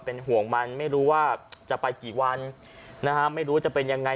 เป็นห่วงมันไม่รู้ว่าจะไปกี่วันนะฮะไม่รู้จะเป็นยังไง